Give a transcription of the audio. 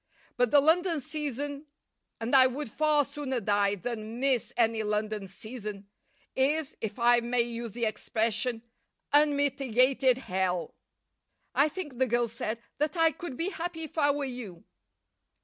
But the London season and I would far sooner die than miss any London season is, if I may use the expression, unmitigated hell." "I think," the girl said, "that I could be happy if I were you."